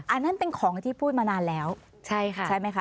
อันนั้นเป็นของที่พูดมานานแล้วใช่ค่ะใช่ไหมคะ